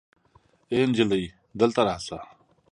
آې انجلۍ دلته راسه